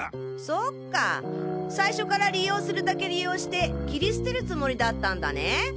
そっか最初から利用するだけ利用して切り捨てるつもりだったんだね。